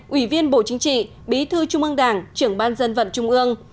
ủy viên bộ chính trị bí thư trung ương đảng trưởng ban dân vận trung ương